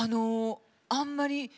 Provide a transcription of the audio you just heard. あんまり。